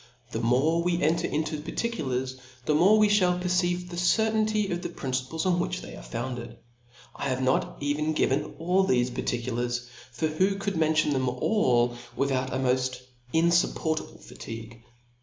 The more we enter into particulars, the more we fhall perceive the cer^ ttiiity of the principles on which they are founded. I have not even given all thefe par 7 ticulars. ^xvi The AUTHOR'S PREFACE. tkulars, for who could mention them all with^ out;a moA: infuppprtable fatigue